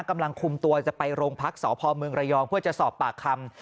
กำลังคุมตัวจะไปโรงพักษ์สพรยเพื่อจะสอบปากคำ